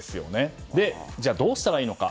じゃあ、どうしたらいいのか。